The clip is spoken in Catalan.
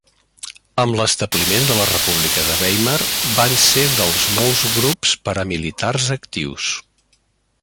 Amb l'establiment de la República de Weimar van ser dels molts grups paramilitars actius.